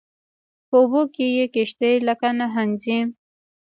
په اوبو کې یې کشتۍ لکه نهنګ ځي